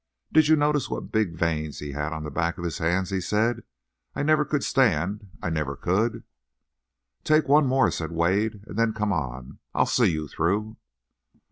"Did you notice what big veins he had on the back of his hands?" he said. "I never could stand—I never could—" "Take one more," said Wade, "and then come on. I'll see you through."